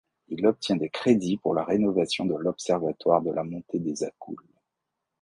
Il obtient des crédits pour la rénovation de l'observatoire de la Montée des Accoules.